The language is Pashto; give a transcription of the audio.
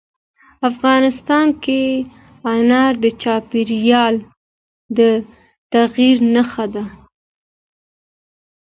افغانستان کې انار د چاپېریال د تغیر نښه ده.